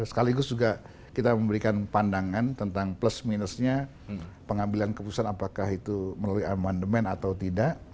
sekaligus juga kita memberikan pandangan tentang plus minusnya pengambilan keputusan apakah itu melalui amandemen atau tidak